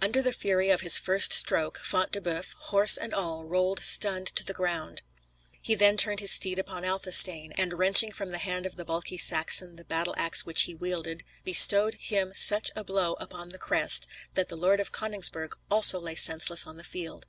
Under the fury of his first stroke, Front de Boeuf, horse and all, rolled stunned to the ground. He then turned his steed upon Athelstane, and, wrenching from the hand of the bulky Saxon the battle axe which he wielded, bestowed him such a blow upon the crest, that the Lord of Coningsburgh also lay senseless on the field.